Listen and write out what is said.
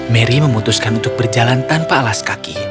mary memutuskan untuk berjalan tanpa alas kaki